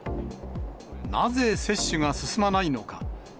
なぜ、接種が進まないのか。